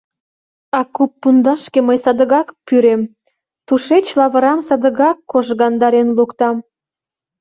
А куп пундашке мый садыгак пӱрем, тушеч лавырам садыгак кожгандарен луктам.